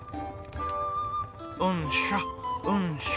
うんしょうんしょ。